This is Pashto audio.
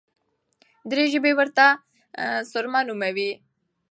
دري ژبي ورته سرمه نوموي.